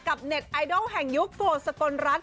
กับเน็ตไอดอลแห่งยุคโฟสตนรัก